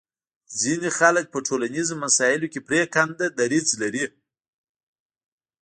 ځینې خلک په ټولنیزو مسایلو کې پرېکنده دریځ لري